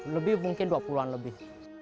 lebih mungkin dua puluhan lebih